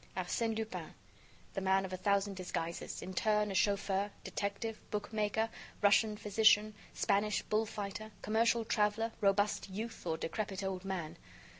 Arsène Lupin, the man of a thousand disguises: in turn a chauffer, detective, bookmaker, Russian physician, Spanish bull fighter, commercial traveler, robust youth, or decrepit old man.